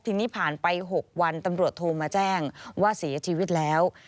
ทีนี้ผ่านไป๖วันตำรวจโทรมาแจ้งว่าเสียชีวิตแล้ว